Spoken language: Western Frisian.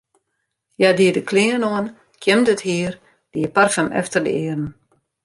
Hja die de klean oan, kjimde it hier, die parfum efter de earen.